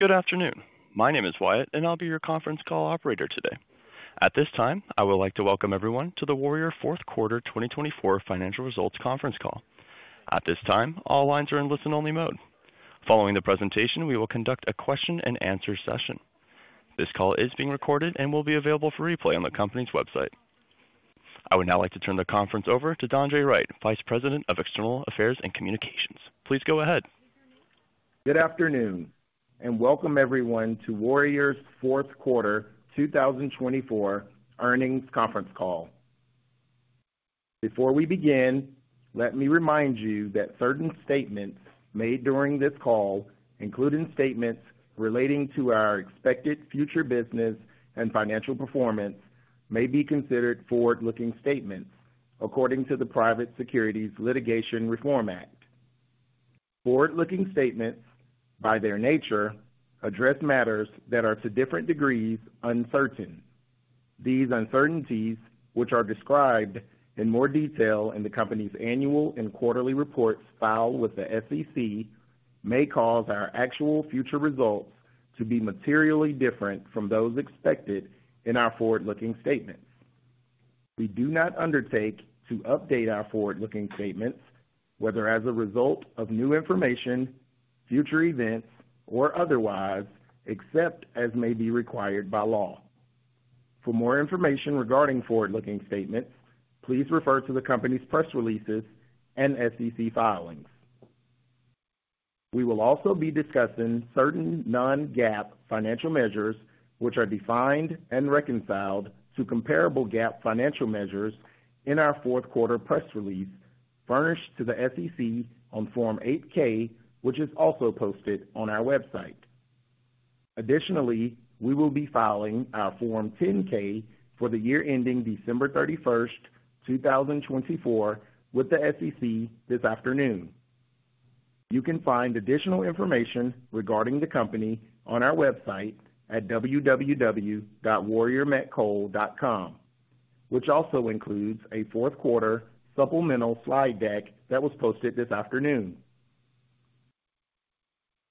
Good afternoon. My name is Wyatt, and I'll be your conference call operator today. At this time, I would like to welcome everyone to the Warrior Q4 2024 financial results conference call. At this time, all lines are in listen-only mode. Following the presentation, we will conduct a Q&A session. This call is being recorded and will be available for replay on the company's website. I would now like to turn the conference over to D'Andre Wright, Vice President of External Affairs and Communications. Please go ahead. Good afternoon, and welcome everyone to Warrior's Q4 2024 earnings conference call. Before we begin, let me remind you that certain statements made during this call, including statements relating to our expected future business and financial performance, may be considered forward-looking statements according to the Private Securities Litigation Reform Act. Forward-looking statements, by their nature, address matters that are to different degrees uncertain. These uncertainties, which are described in more detail in the company's annual and quarterly reports filed with the SEC, may cause our actual future results to be materially different from those expected in our forward-looking statements. We do not undertake to update our forward-looking statements, whether as a result of new information, future events, or otherwise, except as may be required by law. For more information regarding forward-looking statements, please refer to the company's press releases and SEC filings. We will also be discussing certain non-GAAP financial measures, which are defined and reconciled to comparable GAAP financial measures in our Q4 press release furnished to the SEC on Form 8-K, which is also posted on our website. Additionally, we will be filing our Form 10-K for the year ending December 31st, 2024, with the SEC this afternoon. You can find additional information regarding the company on our website at www.warriormetcoal.com, which also includes a Q4 supplemental slide deck that was posted this afternoon.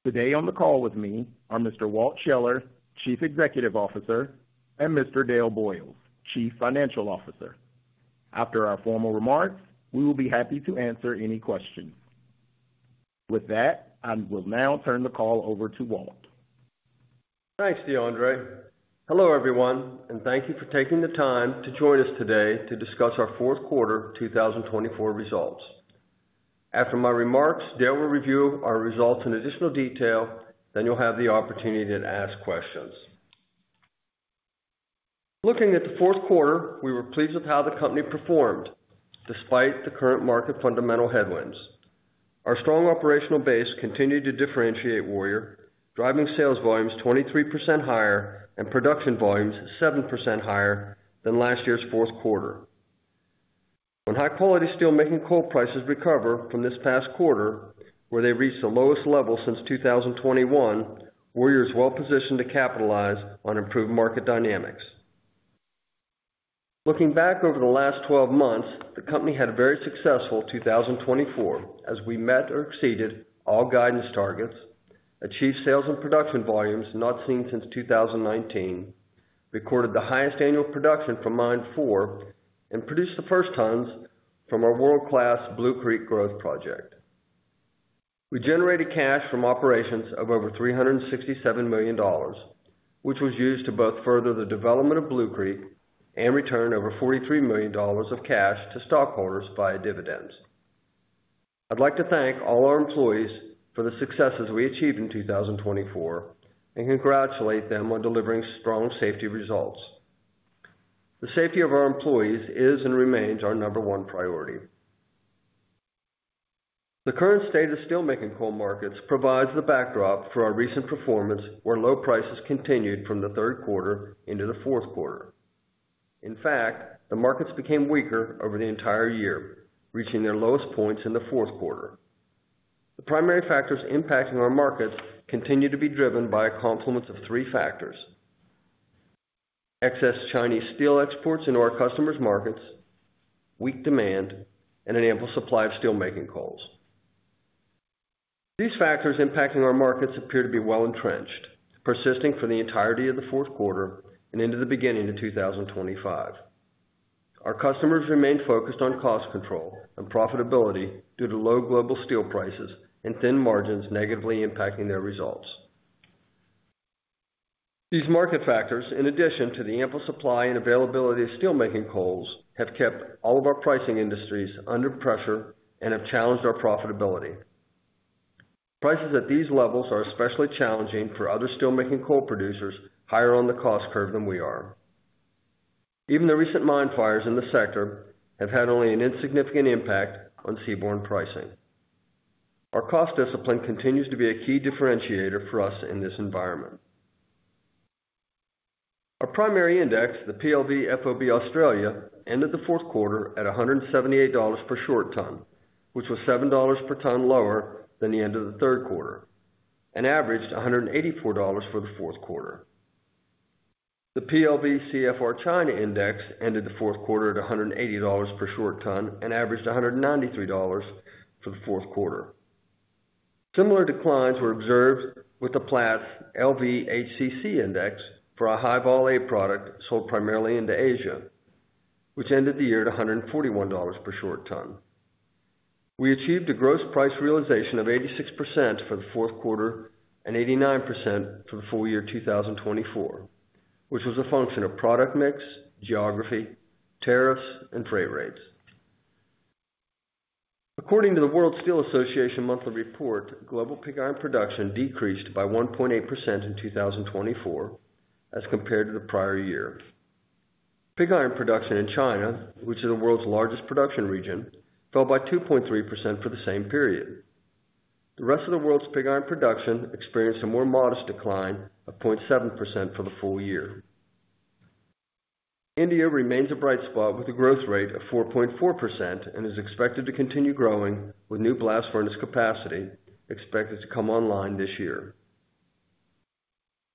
Today on the call with me are Mr. Walt Scheller, Chief Executive Officer, and Mr. Dale Boyles, Chief Financial Officer. After our formal remarks, we will be happy to answer any questions. With that, I will now turn the call over to Walt. Thanks, D'Andre. Hello, everyone, and thank you for taking the time to join us today to discuss our Q4 2024 results. After my remarks, Dale will review our results in additional detail, then you'll have the opportunity to ask questions. Looking at the Q4, we were pleased with how the company performed despite the current market fundamental headwinds. Our strong operational base continued to differentiate Warrior, driving sales volumes 23% higher and production volumes 7% higher than last year's Q4. When high-quality steelmaking coal prices recover from this past quarter, where they reached the lowest level since 2021, Warrior is well-positioned to capitalize on improved market dynamics. Looking back over the last 12 months, the company had a very successful 2024 as we met or exceeded all guidance targets, achieved sales and production volumes not seen since 2019, recorded the highest annual production from Mine 4, and produced the first tons from our world-class Blue Creek growth project. We generated cash from operations of over $367 million, which was used to both further the development of Blue Creek and return over $43 million of cash to stockholders via dividends. I'd like to thank all our employees for the successes we achieved in 2024 and congratulate them on delivering strong safety results. The safety of our employees is and remains our number one priority. The current state of steelmaking coal markets provides the backdrop for our recent performance, where low prices continued from the Q3 into the Q4. In fact, the markets became weaker over the entire year, reaching their lowest points in the Q4. The primary factors impacting our markets continue to be driven by a confluence of three factors: excess Chinese steel exports into our customers' markets, weak demand, and an ample supply of steelmaking coals. These factors impacting our markets appear to be well-entrenched, persisting for the entirety of the Q4 and into the beginning of 2025. Our customers remain focused on cost control and profitability due to low global steel prices and thin margins negatively impacting their results. These market factors, in addition to the ample supply and availability of steelmaking coals, have kept all of our pricing industries under pressure and have challenged our profitability. Prices at these levels are especially challenging for other steelmaking coal producers higher on the cost curve than we are. Even the recent mine fires in the sector have had only an insignificant impact on seaborne pricing. Our cost discipline continues to be a key differentiator for us in this environment. Our primary index, the PLV FOB Australia, ended the Q4 at $178 per short ton, which was $7 per ton lower than the end of the Q3, and averaged $184 for the Q4. The PLV CFR China index ended the Q4 at $180 per short ton and averaged $193 for the Q4. Similar declines were observed with the Platts LV HCC index for a High-Vol A product sold primarily into Asia, which ended the year at $141 per short ton. We achieved a gross price realization of 86% for the Q4 and 89% for the full year 2024, which was a function of product mix, geography, tariffs, and freight rates. According to the World Steel Association monthly report, global pig iron production decreased by 1.8% in 2024 as compared to the prior year. Pig iron production in China, which is the world's largest production region, fell by 2.3% for the same period. The rest of the world's pig iron production experienced a more modest decline of 0.7% for the full year. India remains a bright spot with a growth rate of 4.4% and is expected to continue growing with new blast furnace capacity expected to come online this year.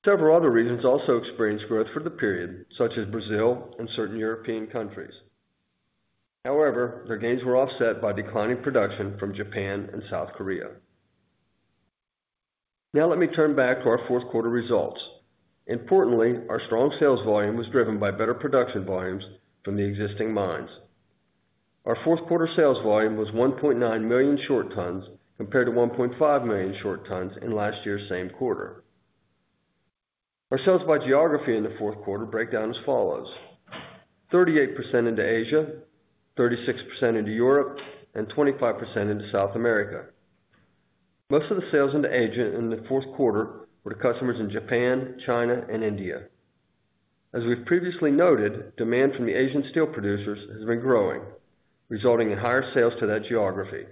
Several other regions also experienced growth for the period, such as Brazil and certain European countries. However, their gains were offset by declining production from Japan and South Korea. Now let me turn back to our Q4 results. Importantly, our strong sales volume was driven by better production volumes from the existing mines. Our Q4 sales volume was 1.9 million short tons compared to 1.5 million short tons in last year's same quarter. Our sales by geography in the Q4 break down as follows: 38% into Asia, 36% into Europe, and 25% into South America. Most of the sales into Asia in the Q4 were to customers in Japan, China, and India. As we've previously noted, demand from the Asian steel producers has been growing, resulting in higher sales to that geography,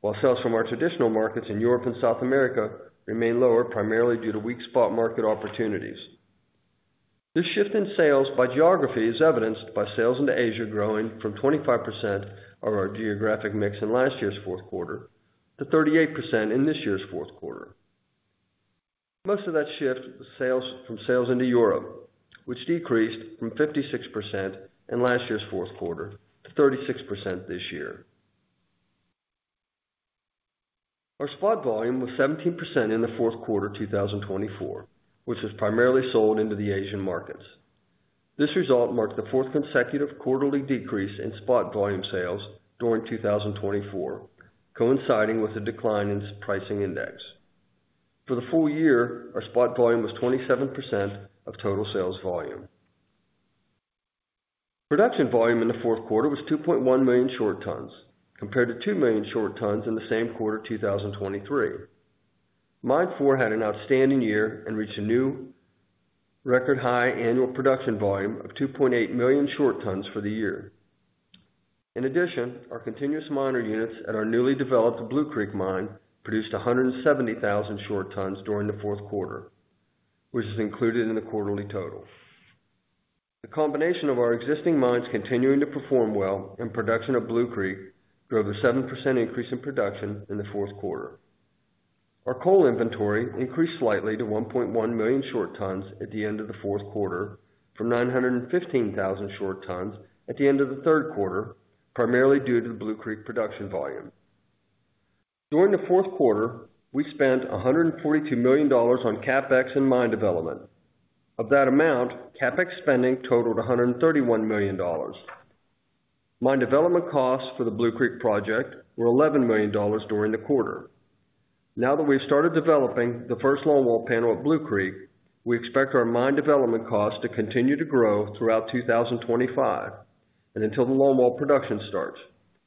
while sales from our traditional markets in Europe and South America remain lower primarily due to weak spot market opportunities. This shift in sales by geography is evidenced by sales into Asia growing from 25% of our geographic mix in last year's Q4 to 38% in this year's Q4. Most of that shift was sales from sales into Europe, which decreased from 56% in last year's Q4 to 36% this year. Our spot volume was 17% in the Q4 2024, which was primarily sold into the Asian markets. This result marked the fourth consecutive quarterly decrease in spot volume sales during 2024, coinciding with a decline in its pricing index. For the full year, our spot volume was 27% of total sales volume. Production volume in the Q4 was 2.1 million short tons compared to 2 million short tons in the same quarter 2023. Mine 4 had an outstanding year and reached a new record high annual production volume of 2.8 million short tons for the year. In addition, our continuous miner units at our newly developed Blue Creek mine produced 170,000 short tons during the Q4, which is included in the quarterly total. The combination of our existing mines continuing to perform well and production at Blue Creek drove a 7% increase in production in the Q4. Our coal inventory increased slightly to 1.1 million short tons at the end of the Q4 from 915,000 short tons at the end of the Q3, primarily due to the Blue Creek production volume. During the Q4, we spent $142 million on CapEx and mine development. Of that amount, CapEx spending totaled $131 million. Mine development costs for the Blue Creek project were $11 million during the quarter. Now that we've started developing the first longwall panel at Blue Creek, we expect our mine development costs to continue to grow throughout 2025 and until the longwall production starts,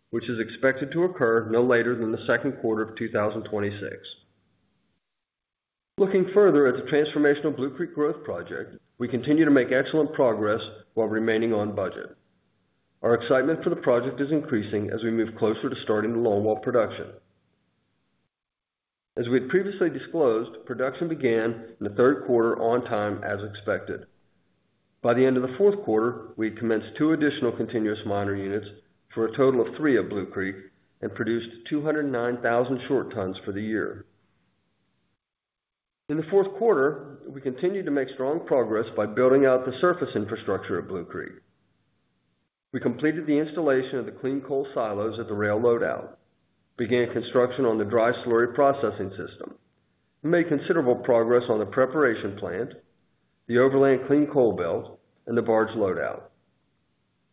which is expected to occur no later than the Q2 of 2026. Looking further at the transformational Blue Creek growth project, we continue to make excellent progress while remaining on budget. Our excitement for the project is increasing as we move closer to starting the longwall production. As we had previously disclosed, production began in the Q3 on time as expected. By the end of the Q4, we had commenced two additional continuous miner units for a total of three at Blue Creek and produced 209,000 short tons for the year. In the Q4, we continued to make strong progress by building out the surface infrastructure at Blue Creek. We completed the installation of the clean coal silos at the rail loadout, began construction on the dry slurry processing system, and made considerable progress on the preparation plant, the overland clean coal belt, and the barge loadout.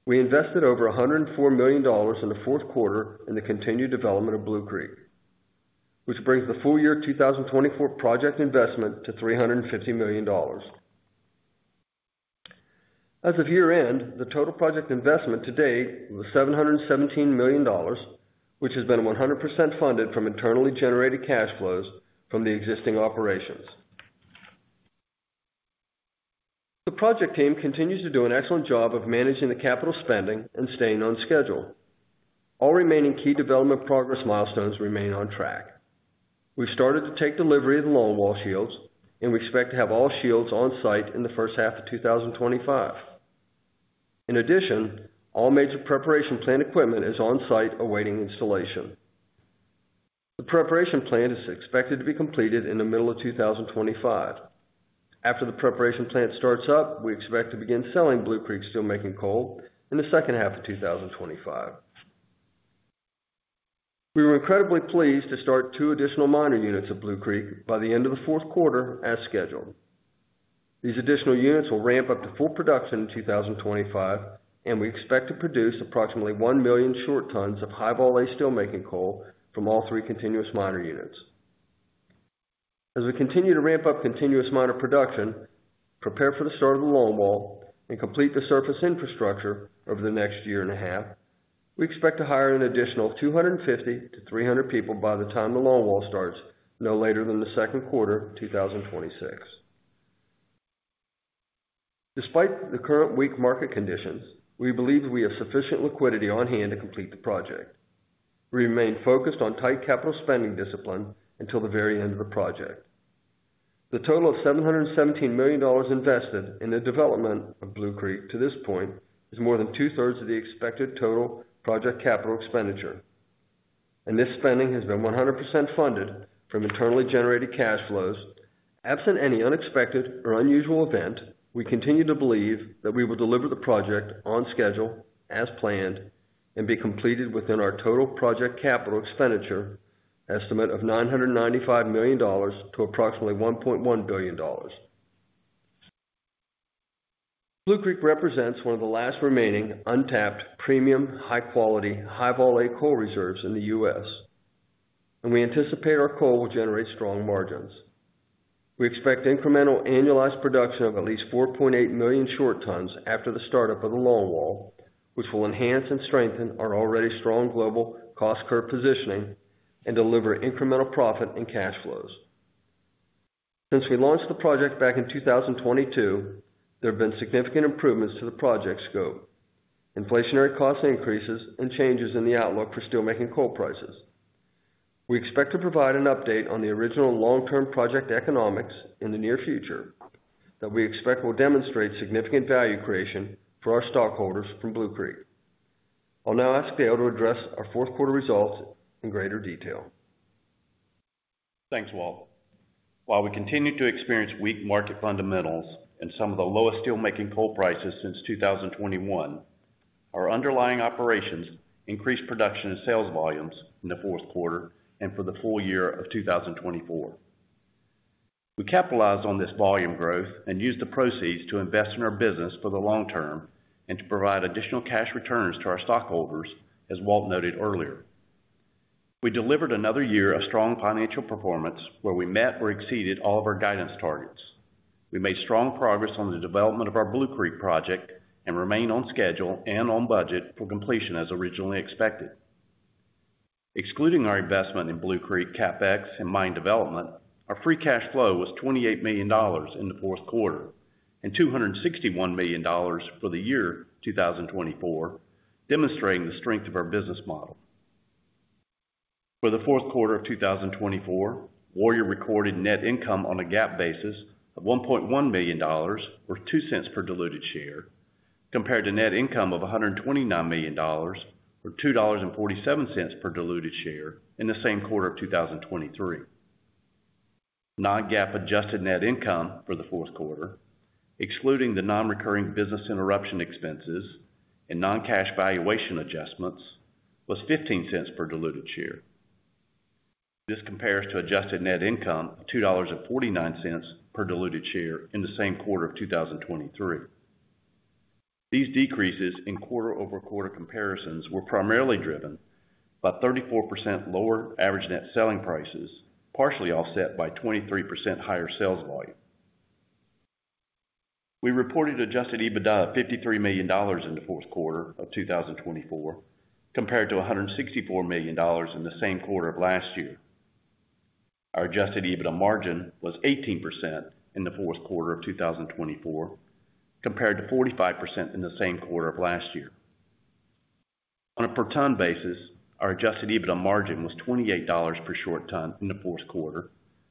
We invested over $104 million in the Q4 in the continued development of Blue Creek, which brings the full year 2024 project investment to $350 million. As of year-end, the total project investment to date was $717 million, which has been 100% funded from internally generated cash flows from the existing operations. The project team continues to do an excellent job of managing the capital spending and staying on schedule. All remaining key development progress milestones remain on track. We've started to take delivery of the longwall shields, and we expect to have all shields on site in the first half of 2025. In addition, all major preparation plant equipment is on site awaiting installation. The preparation plant is expected to be completed in the middle of 2025. After the preparation plant starts up, we expect to begin selling Blue Creek steelmaking coal in the second half of 2025. We were incredibly pleased to start two additional miner units at Blue Creek by the end of the Q4 as scheduled. These additional units will ramp up to full production in 2025, and we expect to produce approximately 1 million short tons of High-Vol A steelmaking coal from all three continuous miner units. As we continue to ramp up continuous miner production, prepare for the start of the longwall, and complete the surface infrastructure over the next year and a half, we expect to hire an additional 250 to 300 people by the time the longwall starts no later than the Q2 2026. Despite the current weak market conditions, we believe we have sufficient liquidity on hand to complete the project. We remain focused on tight capital spending discipline until the very end of the project. The total of $717 million invested in the development of Blue Creek to this point is more than two-thirds of the expected total project capital expenditure, and this spending has been 100% funded from internally generated cash flows. Absent any unexpected or unusual event, we continue to believe that we will deliver the project on schedule as planned and be completed within our total project capital expenditure estimate of $995 million to approximately $1.1 billion. Blue Creek represents one of the last remaining untapped premium high-quality High-Vol A coal reserves in the U.S., and we anticipate our coal will generate strong margins. We expect incremental annualized production of at least 4.8 million short tons after the startup of the longwall, which will enhance and strengthen our already strong global cost curve positioning and deliver incremental profit and cash flows. Since we launched the project back in 2022, there have been significant improvements to the project scope, inflationary cost increases, and changes in the outlook for steelmaking coal prices. We expect to provide an update on the original long-term project economics in the near future that we expect will demonstrate significant value creation for our stockholders from Blue Creek. I'll now ask Dale to address our Q4 results in greater detail. Thanks, Walt. While we continue to experience weak market fundamentals and some of the lowest steelmaking coal prices since 2021, our underlying operations increased production and sales volumes in the Q4 and for the full year of 2024. We capitalized on this volume growth and used the proceeds to invest in our business for the long term and to provide additional cash returns to our stockholders, as Walt noted earlier. We delivered another year of strong financial performance where we met or exceeded all of our guidance targets. We made strong progress on the development of our Blue Creek project and remain on schedule and on budget for completion as originally expected. Excluding our investment in Blue Creek, CapEx, and mine development, our free cash flow was $28 million in the Q4 and $261 million for the year 2024, demonstrating the strength of our business model. For the Q4 of 2024, Warrior recorded net income on a GAAP basis of $1.1 million or $0.02 per diluted share compared to net income of $129 million or $2.47 per diluted share in the same quarter of 2023. Non-GAAP adjusted net income for the Q4, excluding the non-recurring business interruption expenses and non-cash valuation adjustments, was $0.15 per diluted share. This compares to adjusted net income of $2.49 per diluted share in the same quarter of 2023. These decreases in quarter-over-quarter comparisons were primarily driven by 34% lower average net selling prices, partially offset by 23% higher sales volume. We reported Adjusted EBITDA of $53 million in the Q4 of 2024 compared to $164 million in the same quarter of last year. Our Adjusted EBITDA margin was 18% in the Q4 of 2024 compared to 45% in the same quarter of last year. On a per-ton basis, our Adjusted EBITDA margin was $28 per short ton in the Q4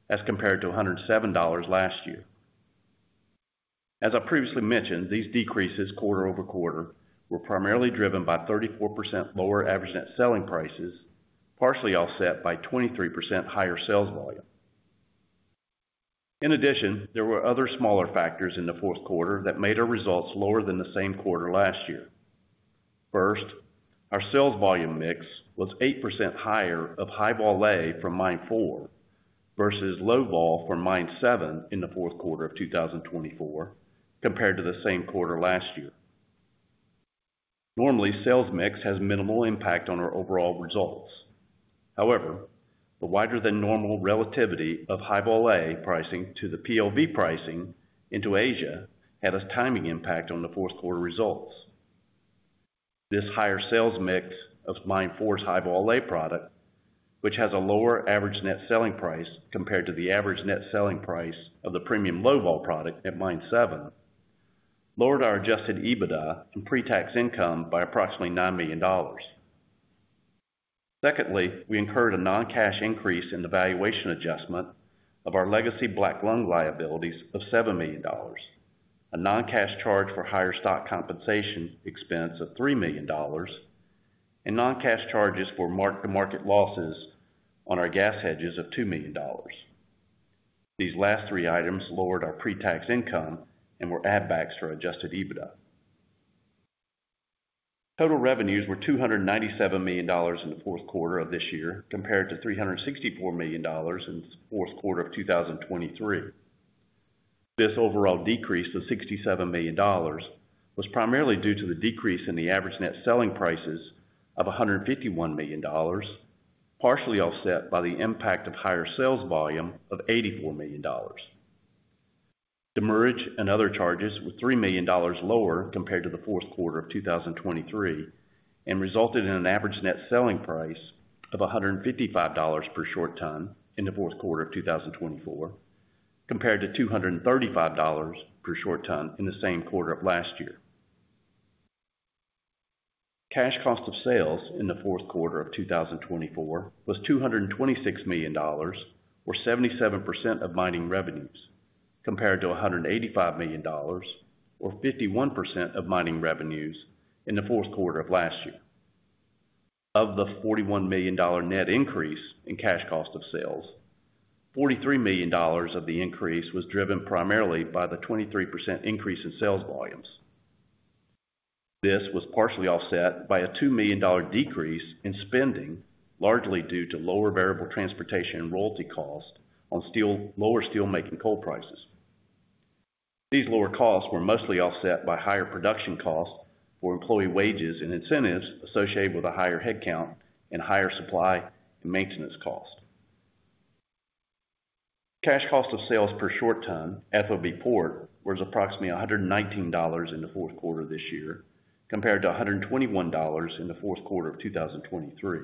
as compared to $107 last year. As I previously mentioned, these decreases quarter-over-quarter were primarily driven by 34% lower average net selling prices, partially offset by 23% higher sales volume. In addition, there were other smaller factors in the Q4 that made our results lower than the same quarter last year. First, our sales volume mix was 8% higher of High-Vol A from Mine 4 versus Low-Vol from Mine 7 in the Q4 of 2024 compared to the same quarter last year. Normally, sales mix has minimal impact on our overall results. However, the wider-than-normal relativity of High-Vol A pricing to the PLV pricing into Asia had a timing impact on the Q4 results. This higher sales mix of Mine 4's High-Vol A product, which has a lower average net selling price compared to the average net selling price of the premium Low-Vol product at Mine 7, lowered our Adjusted EBITDA and pre-tax income by approximately $9 million. Secondly, we incurred a non-cash increase in the valuation adjustment of our legacy Black Lung liabilities of $7 million, a non-cash charge for higher stock compensation expense of $3 million, and non-cash charges for mark-to-market losses on our gas hedges of $2 million. These last three items lowered our pre-tax income and were add-backs for Adjusted EBITDA. Total revenues were $297 million in the Q4 of this year compared to $364 million in the Q4 of 2023. This overall decrease of $67 million was primarily due to the decrease in the average net selling prices of $151 million, partially offset by the impact of higher sales volume of $84 million. Demurrage and other charges were $3 million lower compared to the Q4 of 2023 and resulted in an average net selling price of $155 per short ton in the Q4 of 2024 compared to $235 per short ton in the same quarter of last year. Cash cost of sales in the Q4 of 2024 was $226 million, or 77% of mining revenues, compared to $185 million, or 51% of mining revenues in the Q4 of last year. Of the $41 million net increase in cash cost of sales, $43 million of the increase was driven primarily by the 23% increase in sales volumes. This was partially offset by a $2 million decrease in spending, largely due to lower variable transportation and royalty costs on lower steelmaking coal prices. These lower costs were mostly offset by higher production costs for employee wages and incentives associated with a higher headcount and higher supply and maintenance costs. Cash cost of sales per short ton, FOB port, was approximately $119 in the Q4 of this year compared to $121 in the Q4 of 2023.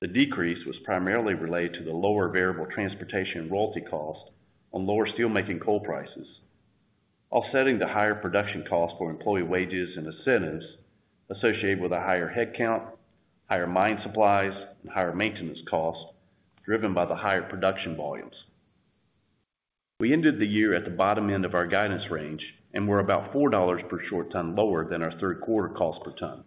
The decrease was primarily related to the lower variable transportation and royalty costs on lower steelmaking coal prices, offsetting the higher production costs for employee wages and incentives associated with a higher headcount, higher mine supplies, and higher maintenance costs driven by the higher production volumes. We ended the year at the bottom end of our guidance range and were about $4 per short ton lower than our Q3 cost per ton.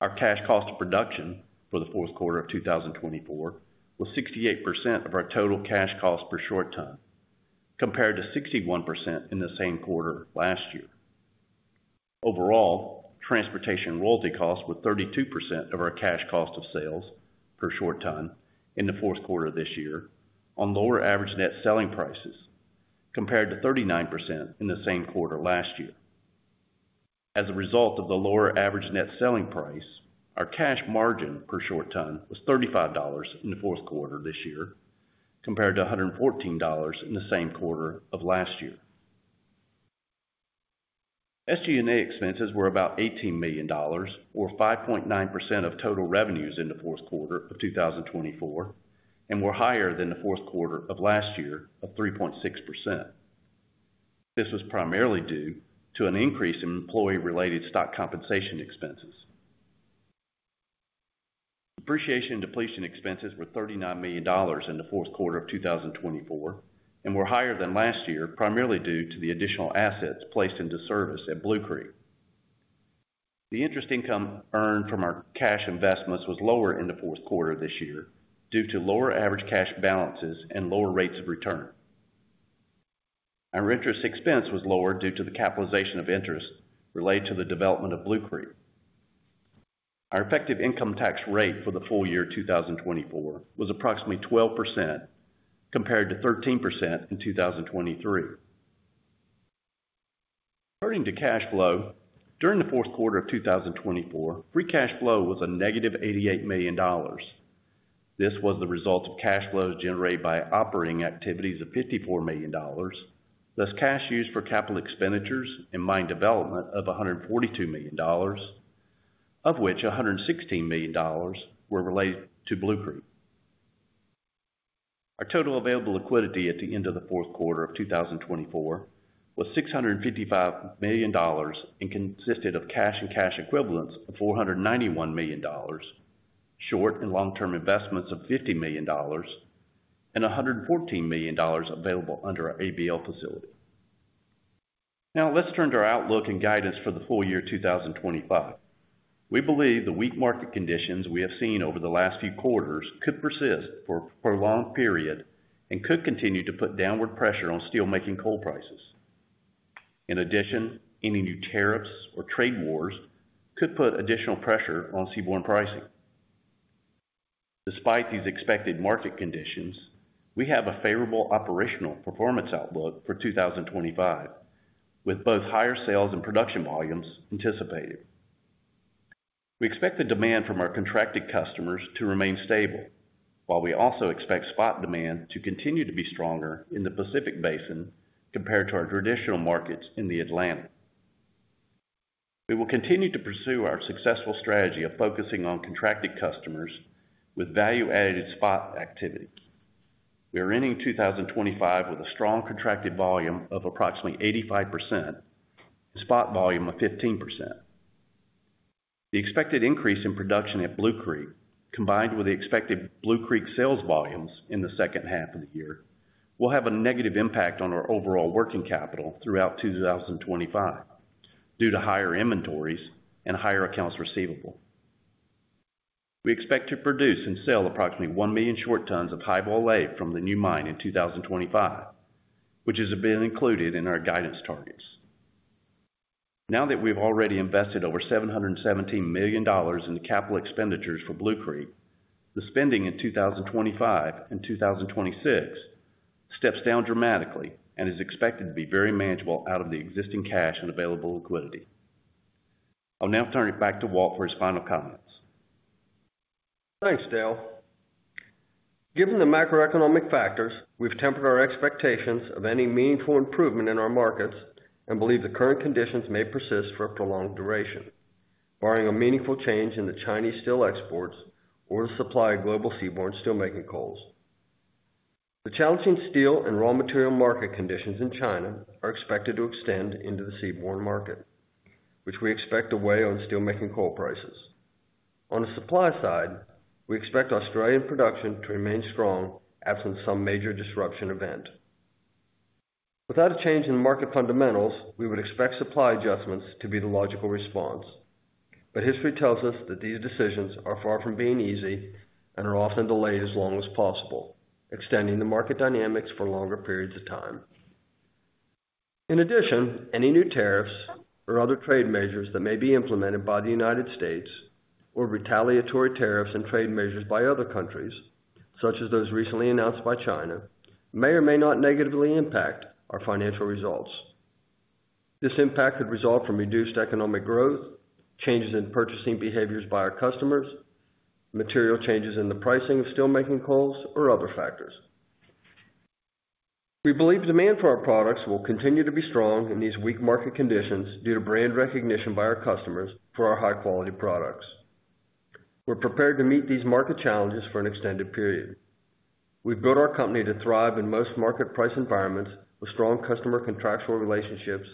Our cash cost of production for the Q4 of 2024 was 68% of our total cash cost per short ton, compared to 61% in the same quarter last year. Overall, transportation and royalty costs were 32% of our cash cost of sales per short ton in the Q4 of this year on lower average net selling prices, compared to 39% in the same quarter last year. As a result of the lower average net selling price, our cash margin per short ton was $35 in the Q4 of this year, compared to $114 in the same quarter of last year. SG&A expenses were about $18 million, or 5.9% of total revenues in the Q4 of 2024, and were higher than the Q4 of last year of 3.6%. This was primarily due to an increase in employee-related stock compensation expenses. Depreciation and depletion expenses were $39 million in the Q4 of 2024 and were higher than last year, primarily due to the additional assets placed into service at Blue Creek. The interest income earned from our cash investments was lower in the Q4 of this year due to lower average cash balances and lower rates of return. Our interest expense was lower due to the capitalization of interest related to the development of Blue Creek. Our effective income tax rate for the full year of 2024 was approximately 12% compared to 13% in 2023. Turning to cash flow, during the Q4 of 2024, free cash flow was a -$88 million. This was the result of cash flows generated by operating activities of $54 million, less cash used for capital expenditures and mine development of $142 million, of which $116 million were related to Blue Creek. Our total available liquidity at the end of the Q4 of 2024 was $655 million and consisted of cash and cash equivalents of $491 million, short and long-term investments of $50 million, and $114 million available under our ABL facility. Now, let's turn to our outlook and guidance for the full year 2025. We believe the weak market conditions we have seen over the last few quarters could persist for a prolonged period and could continue to put downward pressure on steelmaking coal prices. In addition, any new tariffs or trade wars could put additional pressure on seaborne pricing. Despite these expected market conditions, we have a favorable operational performance outlook for 2025, with both higher sales and production volumes anticipated. We expect the demand from our contracted customers to remain stable, while we also expect spot demand to continue to be stronger in the Pacific Basin compared to our traditional markets in the Atlantic. We will continue to pursue our successful strategy of focusing on contracted customers with value-added spot activity. We are ending 2025 with a strong contracted volume of approximately 85% and spot volume of 15%. The expected increase in production at Blue Creek, combined with the expected Blue Creek sales volumes in the second half of the year, will have a negative impact on our overall working capital throughout 2025 due to higher inventories and higher accounts receivable. We expect to produce and sell approximately 1 million short tons of High-Vol A from the new mine in 2025, which has been included in our guidance targets. Now that we've already invested over $717 million in the capital expenditures for Blue Creek, the spending in 2025 and 2026 steps down dramatically and is expected to be very manageable out of the existing cash and available liquidity. I'll now turn it back to Walt for his final comments. Thanks, Dale. Given the macroeconomic factors, we've tempered our expectations of any meaningful improvement in our markets and believe the current conditions may persist for a prolonged duration, barring a meaningful change in the Chinese steel exports or the supply of global seaborne steelmaking coals. The challenging steel and raw material market conditions in China are expected to extend into the seaborne market, which we expect to weigh on steelmaking coal prices. On the supply side, we expect Australian production to remain strong absent some major disruption event. Without a change in market fundamentals, we would expect supply adjustments to be the logical response. But history tells us that these decisions are far from being easy and are often delayed as long as possible, extending the market dynamics for longer periods of time. In addition, any new tariffs or other trade measures that may be implemented by the United States, or retaliatory tariffs and trade measures by other countries, such as those recently announced by China, may or may not negatively impact our financial results. This impact could result from reduced economic growth, changes in purchasing behaviors by our customers, material changes in the pricing of steelmaking coals, or other factors. We believe demand for our products will continue to be strong in these weak market conditions due to brand recognition by our customers for our high-quality products. We're prepared to meet these market challenges for an extended period. We've built our company to thrive in most market price environments with strong customer contractual relationships,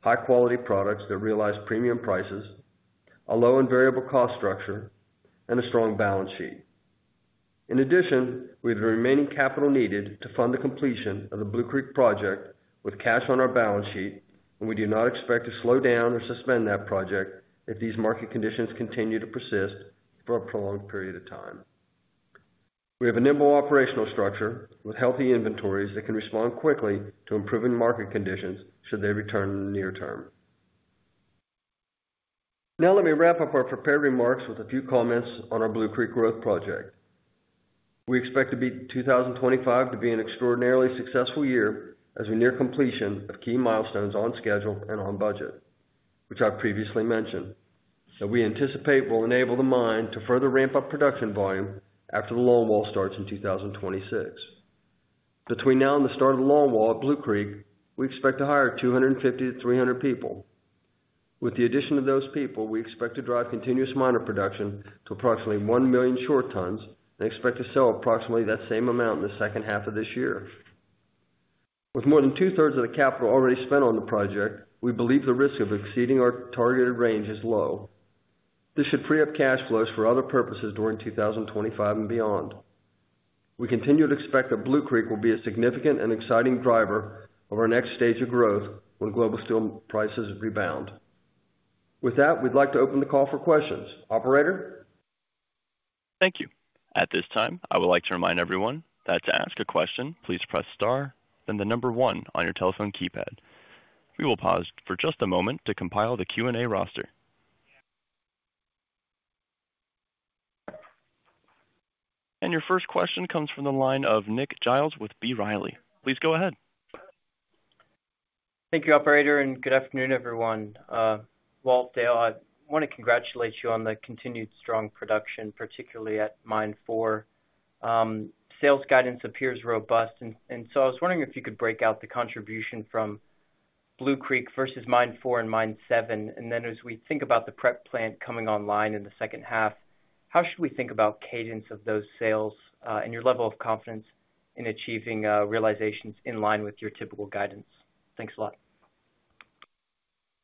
high-quality products that realize premium prices, a low and variable cost structure, and a strong balance sheet. In addition, we have the remaining capital needed to fund the completion of the Blue Creek project with cash on our balance sheet, and we do not expect to slow down or suspend that project if these market conditions continue to persist for a prolonged period of time. We have a nimble operational structure with healthy inventories that can respond quickly to improving market conditions should they return in the near term. Now, let me wrap up our prepared remarks with a few comments on our Blue Creek growth project. We expect 2025 to be an extraordinarily successful year as we near completion of key milestones on schedule and on budget, which I've previously mentioned, that we anticipate will enable the mine to further ramp up production volume after the longwall starts in 2026. Between now and the start of the longwall at Blue Creek, we expect to hire 250 to 300 people. With the addition of those people, we expect to drive continuous miner production to approximately 1 million short tons and expect to sell approximately that same amount in the second half of this year. With more than two-thirds of the capital already spent on the project, we believe the risk of exceeding our targeted range is low. This should free up cash flows for other purposes during 2025 and beyond. We continue to expect that Blue Creek will be a significant and exciting driver of our next stage of growth when global steel prices rebound. With that, we'd like to open the call for questions. Operator? Thank you. At this time, I would like to remind everyone that to ask a question, please press star, then the number one on your telephone keypad. We will pause for just a moment to compile the Q&A roster. Your first question comes from the line of Nick Giles with B. Riley. Please go ahead. Thank you, Operator, and good afternoon, everyone. Walt, Dale, I want to congratulate you on the continued strong production, particularly at Mine 4. Sales guidance appears robust, and so I was wondering if you could break out the contribution from Blue Creek versus Mine 4 and Mine 7. And then, as we think about the prep plant coming online in the second half, how should we think about cadence of those sales and your level of confidence in achieving realizations in line with your typical guidance? Thanks a lot.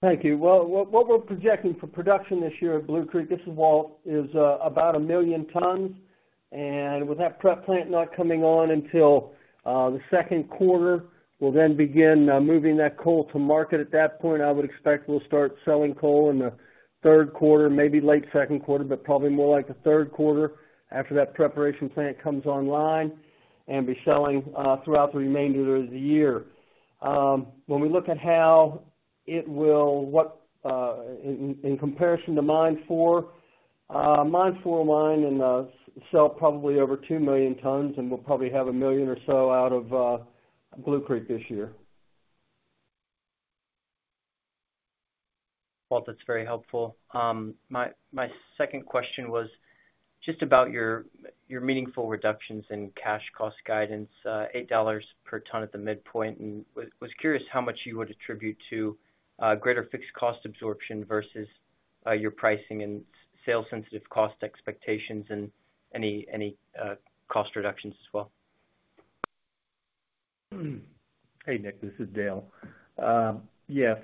Thank you. Well, what we're projecting for production this year at Blue Creek, this is Walt, is about a million tons. And with that prep plant not coming on until the Q2, we'll then begin moving that coal to market. At that point, I would expect we'll start selling coal in the Q3, maybe late Q2, but probably more like the Q3 after that preparation plant comes online and be selling throughout the remainder of the year. When we look at how it will work in comparison Mine 4 mines and sells probably over 2 million tons, and we'll probably have a million or so out of Blue Creek this year. Walt, that's very helpful. My second question was just about your meaningful reductions in cash cost guidance, $8 per ton at the midpoint, and was curious how much you would attribute to greater fixed cost absorption versus your pricing and sales-sensitive cost expectations and any cost reductions as well. Hey, Nick, this is Dale. Yes,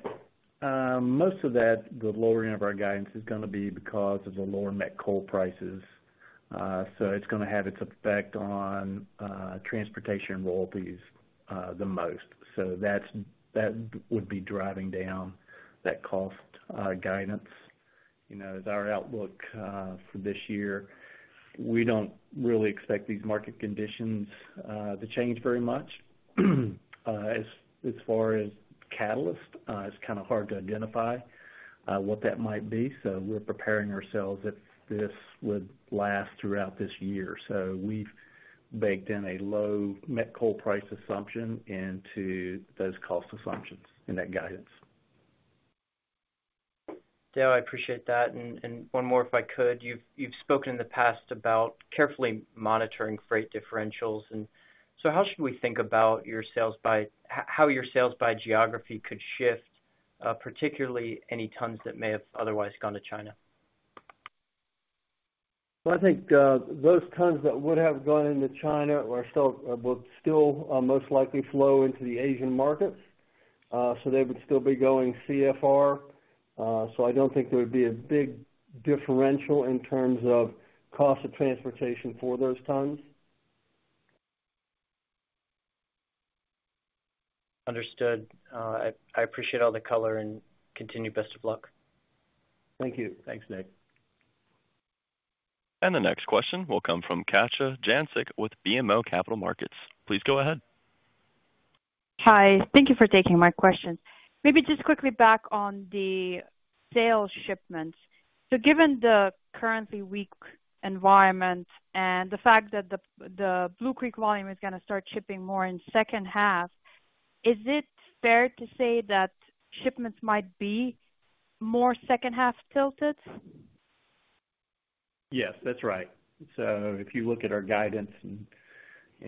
most of that, the lowering of our guidance is going to be because of the lower net coal prices. So it's going to have its effect on transportation and royalties the most. So that would be driving down that cost guidance. As our outlook for this year, we don't really expect these market conditions to change very much. As far as catalyst, it's kind of hard to identify what that might be. So we're preparing ourselves if this would last throughout this year. So we've baked in a low net coal price assumption into those cost assumptions and that guidance. Dale, I appreciate that. And one more, if I could, you've spoken in the past about carefully monitoring freight differentials. And so how should we think about how your sales by geography could shift, particularly any tons that may have otherwise gone to China? Well, I think those tons that would have gone into China will still most likely flow into the Asian markets. So they would still be going CFR. So I don't think there would be a big differential in terms of cost of transportation for those tons. Understood. I appreciate all the color and continue best of luck. Thank you. Thanks, Nick. And the next question will come from Katja Jancic with BMO Capital Markets. Please go ahead. Hi. Thank you for taking my question. Maybe just quickly back on the sales shipments. So given the currently weak environment and the fact that the Blue Creek volume is going to start shipping more in second half, is it fair to say that shipments might be more second half tilted? Yes, that's right. So if you look at our guidance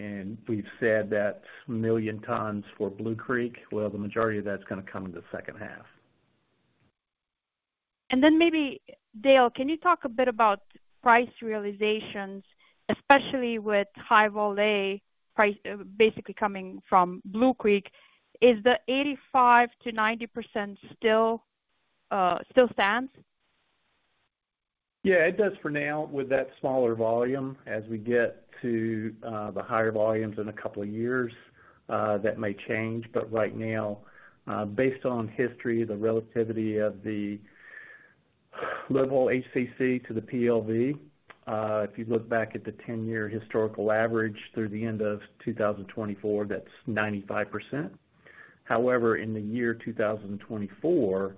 and we've said that million tons for Blue Creek, well, the majority of that's going to come in the second half. And then maybe, Dale, can you talk a bit about price realizations, especially with High-Vol A basically coming from Blue Creek? Is the 85%-90% still stands? Yeah, it does for now with that smaller volume. As we get to the higher volumes in a couple of years, that may change. But right now, based on history, the relativity of the Low-Vol HCC to the PLV, if you look back at the 10-year historical average through the end of 2024, that's 95%. However, in the year 2024,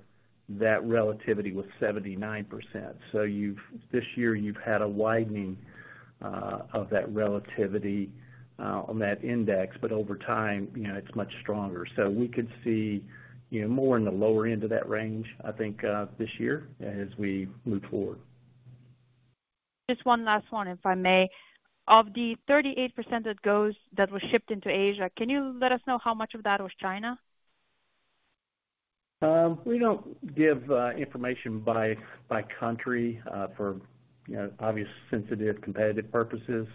that relativity was 79%. So this year, you've had a widening of that relativity on that index, but over time, it's much stronger. So we could see more in the lower end of that range, I think, this year as we move forward. Just one last one, if I may. Of the 38% that was shipped into Asia, can you let us know how much of that was China? We don't give information by country for obvious sensitive competitive purposes.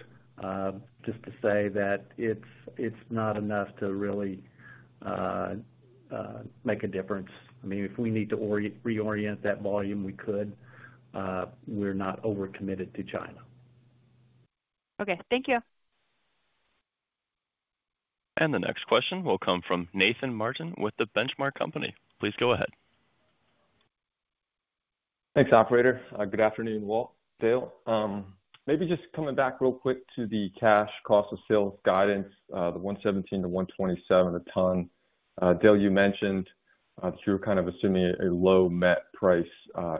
Just to say that it's not enough to really make a difference. I mean, if we need to reorient that volume, we could. We're not overcommitted to China. Okay. Thank you. And the next question will come from Nathan Martin with The Benchmark Company. Please go ahead. Thanks, Operator. Good afternoon, Walt, Dale. Maybe just coming back real quick to the cash cost of sales guidance, the $117-$127 a ton. Dale, you mentioned that you were kind of assuming a low met price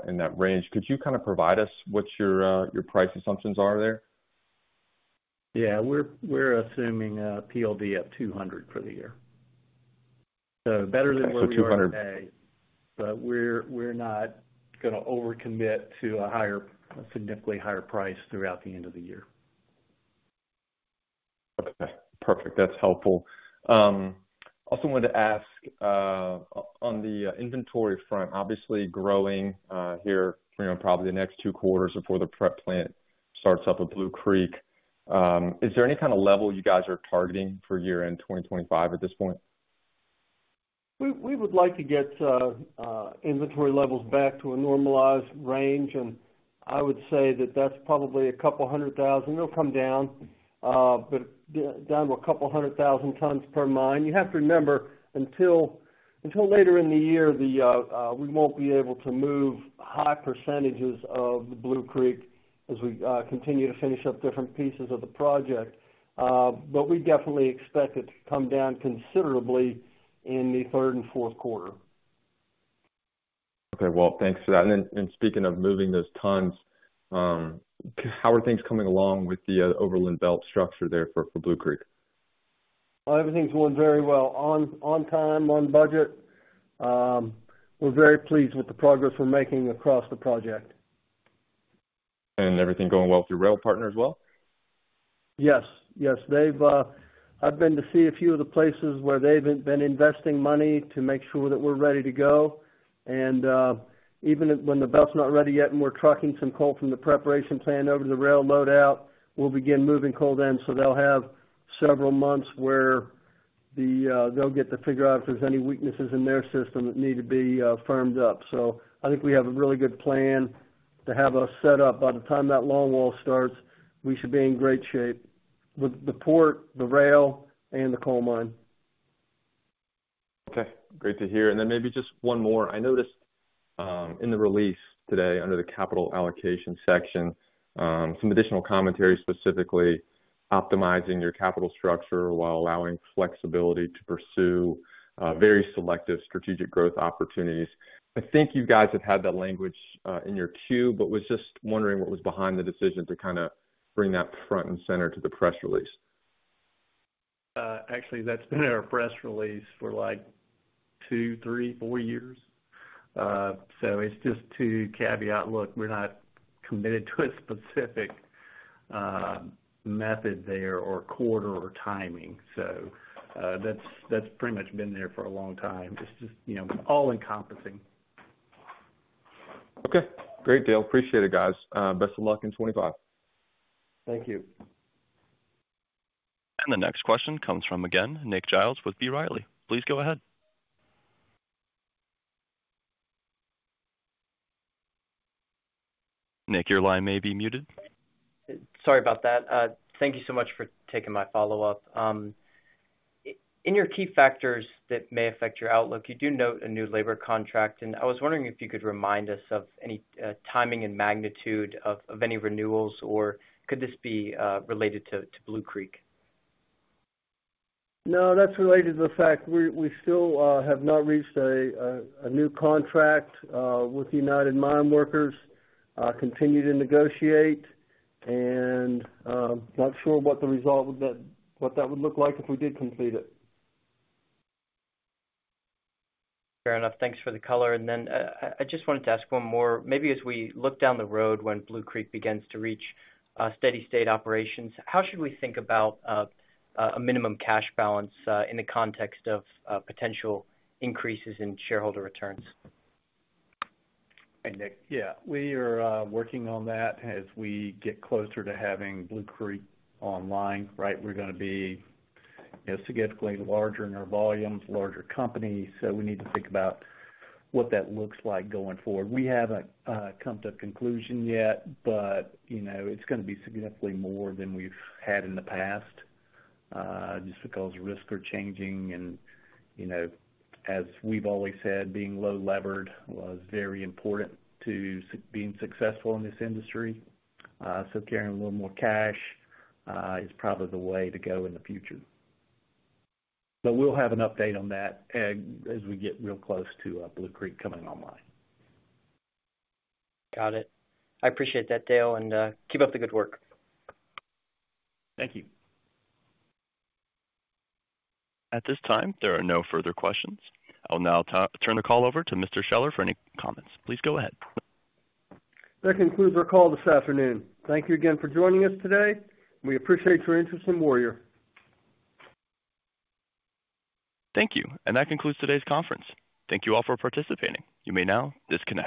in that range. Could you kind of provide us what your price assumptions are there? Yeah, we're assuming PLV at $200 for the year. So better than what we were going to pay. But we're not going to overcommit to a significantly higher price throughout the end of the year. Okay. Perfect. That's helpful. Also wanted to ask on the inventory front, obviously growing here probably the next two quarters before the prep plant starts up at Blue Creek. Is there any kind of level you guys are targeting for year-end 2025 at this point? We would like to get inventory levels back to a normalized range, and I would say that that's probably a couple hundred thousand. It'll come down, but down to a couple hundred thousand tons per mine. You have to remember until later in the year, we won't be able to move high percentages of the Blue Creek as we continue to finish up different pieces of the project, but we definitely expect it to come down considerably in the Q3 and Q4. Okay, Walt. Thanks for that, and then speaking of moving those tons, how are things coming along with the overland belt structure there for Blue Creek? Everything's going very well, on time, on budget. We're very pleased with the progress we're making across the project. And everything going well with your rail partner as well? Yes. Yes. I've been to see a few of the places where they've been investing money to make sure that we're ready to go. And even when the belt's not ready yet and we're trucking some coal from the preparation plant over to the rail loadout, we'll begin moving coal then. So they'll have several months where they'll get to figure out if there's any weaknesses in their system that need to be firmed up. So I think we have a really good plan to have us set up. By the time that longwall starts, we should be in great shape with the port, the rail, and the coal mine. Okay. Great to hear. And then maybe just one more. I noticed in the release today under the capital allocation section, some additional commentary specifically optimizing your capital structure while allowing flexibility to pursue very selective strategic growth opportunities. I think you guys have had that language in your queue, but was just wondering what was behind the decision to kind of bring that front-and-center to the press release. Actually, that's been our press release for like two, three, four years. So it's just to caveat, look, we're not committed to a specific method there or quarter or timing. So that's pretty much been there for a long time. It's just all-encompassing. Okay. Great, Dale. Appreciate it, guys. Best of luck in 2025. Thank you. And the next question comes from, again, Nick Giles with B. Riley. Please go ahead. Nick, your line may be muted. Sorry about that. Thank you so much for taking my follow-up. In your 'Key Factors that May Affect Your Outlook,' you do note a new labor contract, and I was wondering if you could remind us of any timing and magnitude of any renewals, or could this be related to Blue Creek? No, that's related to the fact we still have not reached a new contract with United Mine Workers. Continue to negotiate, and not sure what the result would look like if we did complete it. Fair enough. Thanks for the color, and then I just wanted to ask one more. Maybe as we look down the road when Blue Creek begins to reach steady state operations, how should we think about a minimum cash balance in the context of potential increases in shareholder returns? Hey, Nick. Yeah. We are working on that as we get closer to having Blue Creek online, right? We're going to be significantly larger in our volumes, larger company. So we need to think about what that looks like going forward. We haven't come to a conclusion yet, but it's going to be significantly more than we've had in the past just because risks are changing. And as we've always said, being low-levered was very important to being successful in this industry. So carrying a little more cash is probably the way to go in the future. But we'll have an update on that as we get real close to Blue Creek coming online. Got it. I appreciate that, Dale. And keep up the good work. Thank you. At this time, there are no further questions. I'll now turn the call over to Mr. Scheller for any comments. Please go ahead. That concludes our call this afternoon. Thank you again for joining us today. We appreciate your interest in Warrior. Thank you and that concludes today's conference. Thank you all for participating. You may now disconnect.